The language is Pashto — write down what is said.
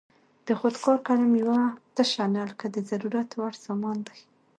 د خود کار قلم یوه تشه نلکه د ضرورت وړ سامان دی.